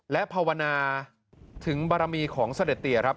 และภาวนาถึงบารมีของเสด็จเตียครับ